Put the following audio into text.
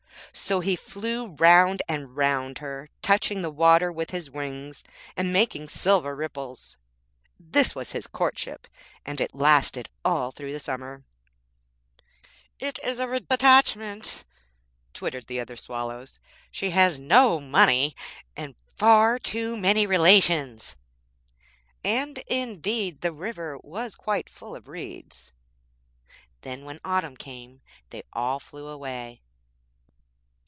So he flew round and round her, touching the water with his wings, and making silver ripples. This was his courtship, and it lasted all through the summer. < 2 > 'It is a ridiculous attachment,' twittered the other Swallows, 'she has no money, and far too many relations;' and indeed the river was quite full of Reeds. Then, when the autumn came, they all flew away.